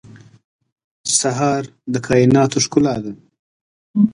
سهار د کایناتو ښکلا ده.